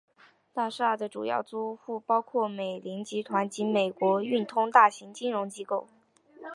大厦的主要租户包括美林集团及美国运通大型金融机构。